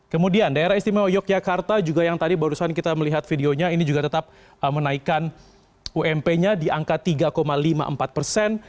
kemudian daerah istimewa yogyakarta juga yang tadi barusan kita melihat videonya ini juga tetap menaikkan ump nya di angka tiga lima puluh empat persen